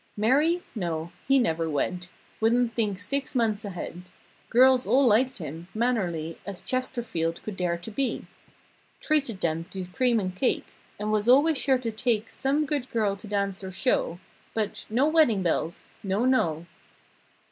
Marry? No. He never wed— Wouldn't think six months ahead. Girls all liked him. Mannerly As Chesterfield could dare to be. Treated them to cream and cake And was always sure to take Some good girl to dance or show— But—"No wedding bells"—No. No.